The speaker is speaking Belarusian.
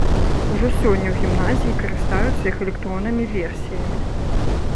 Ужо сёння ў гімназіі карыстаюцца іх электроннымі версіямі.